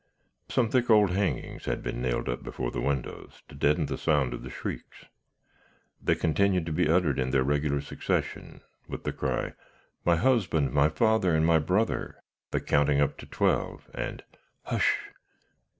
Some thick old hangings had been nailed up before the windows, to deaden the sound of the shrieks. They continued to be uttered in their regular succession, with the cry, 'My husband, my father, and my brother!' the counting up to twelve, and 'Hush!'